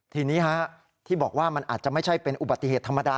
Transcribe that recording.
ทีนี้ที่บอกว่ามันอาจจะไม่ใช่เป็นอุบัติเหตุธรรมดา